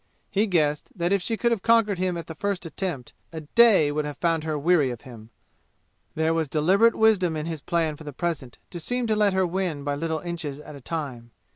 He guessed that if she could have conquered him at the first attempt a day would have found her weary of him; there was deliberate wisdom in his plan for the present to seem to let her win by little inches at a time.